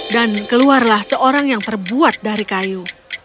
dan keluarlah seorang yang terbuat dari kayu